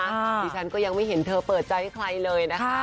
ดิฉันก็ยังไม่เห็นเธอเปิดใจให้ใครเลยนะคะ